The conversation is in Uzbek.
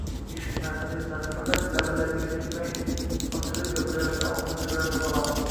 Eshitmas, sezmas, faqat labi-labiga tegmay ochilib-yopilayotgan ogʼizni koʼrardi xolos.